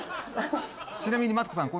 ちなみにマツコさん